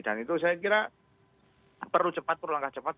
dan itu saya kira perlu cepat perlu langkah cepat